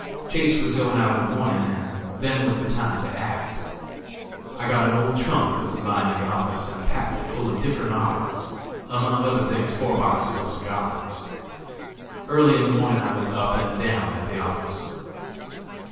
Chase was going out in the morning, and then was the time to act. I got an old trunk that was lying in the office, and packed it full of different articles, among other things four boxes of cigars. Early in the morning I was up and down at the office.